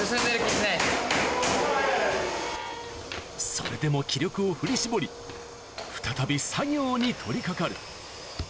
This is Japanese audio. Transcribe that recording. それでも気力を振り絞り再び作業に取り掛かる